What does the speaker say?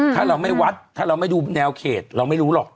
ถ้าเราไม่วัดถ้าเราไม่ดูแนวเขตเราไม่รู้หรอก